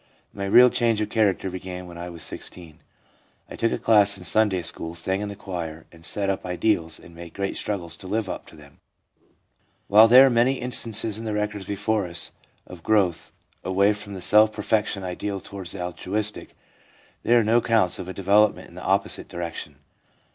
My real change of character began when I was 16. I took a class in Sunday school, sang in the choir, and set up ideals and made great struggles to live up to them/ While there are many instances in the records before us of growth away from the self perfection ideal towards the altruistic, there are no accounts of a development in the opposite direction.